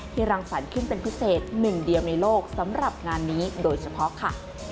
รังสรรค์ขึ้นเป็นพิเศษหนึ่งเดียวในโลกสำหรับงานนี้โดยเฉพาะค่ะ